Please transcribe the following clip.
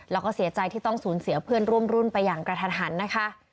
แล้วก็เสียใจที่ต้องสูญเสียเพื่อนร่วมรุ่นไปอย่างกระทันหันนะคะ